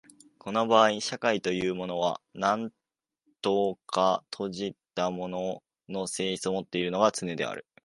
この場合社会というのは何等か閉じたものの性質をもっているのがつねである。